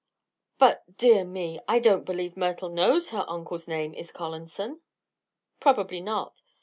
"But dear me! I don't believe Myrtle knows her uncle's name is Collanson." "Probably not.